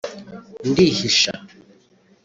ndihisha